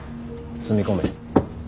積み込め。